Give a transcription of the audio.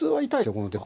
この手は。